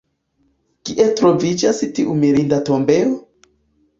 Kie troviĝas tiu mirinda tombejo?